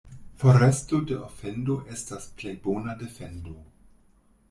Foresto de ofendo estas plej bona defendo.